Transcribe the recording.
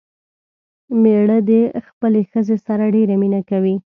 مېړه دې خپلې ښځې سره ډېره مينه کوي